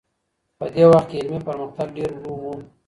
په دې وخت کي علمي پرمختګ ډېر ورو و.